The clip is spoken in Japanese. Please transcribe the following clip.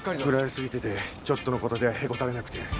振られ過ぎててちょっとのことではへこたれなくて。